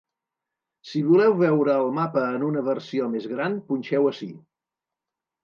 Si voleu veure el mapa en una versió més gran, punxeu ací.